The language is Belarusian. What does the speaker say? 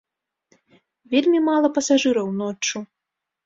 Вельмі мала пасажыраў ноччу.